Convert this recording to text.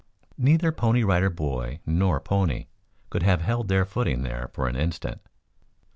Neither Pony Rider Boy nor pony could have held his footing there for an instant.